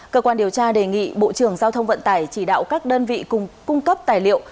cơ quan điều tra đề nghị bộ trưởng giao thông vận tải chỉ đạo các đơn vị cung cấp tài liệu